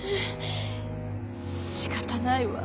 しかたないわ。